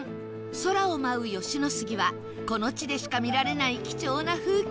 空を舞う吉野杉はこの地でしか見られない貴重な風景